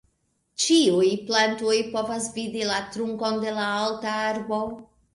Ĉiuj plantoj povas vidi la trunkon de la alta arbo.